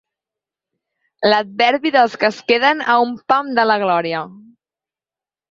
L'adverbi dels que es queden a un pam de la glòria.